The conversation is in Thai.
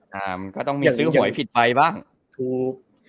ก็ต้องมีซื้อหวยผิดไปบ้างถูก